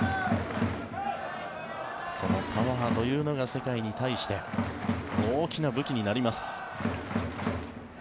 そのパワーというのが世界に対して大きな武器になります。